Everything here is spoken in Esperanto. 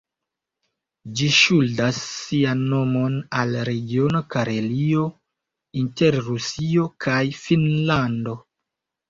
Ĝi ŝuldas sian nomon al la regiono Karelio inter Rusio kaj Finnlando.